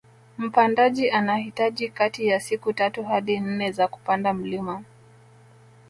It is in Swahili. Mpandaji anahitaji kati ya siku tatu hadi nne za kupanda mlima